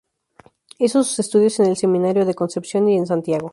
Hizo sus estudios en el Seminario de Concepción y en Santiago.